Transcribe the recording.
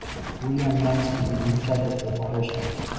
William Nance to be in charge of the operation.